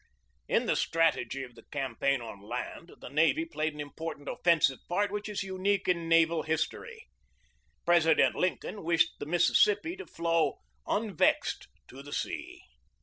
In the strategy of the campaign on land the navy played an important offensive part which is unique 46 GEORGE DEWEY in naval history. President Lincoln wished the Mis sissippi to flow "unvexed" to the sea.